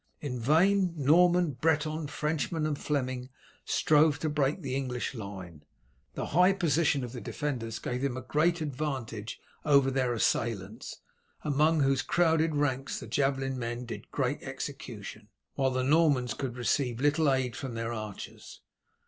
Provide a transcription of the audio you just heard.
In vain Norman, Breton, Frenchmen, and Fleming strove to break the English line. The high position of the defenders gave them a great advantage over their assailants, among whose crowded ranks the javelin men did great execution, while the Normans could receive little aid from their archers.